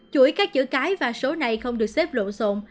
chuỗi các chữ cái và số này không được xếp lộn xộn